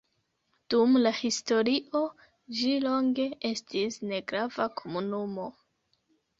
Dum la historio ĝi longe estis negrava komunumo.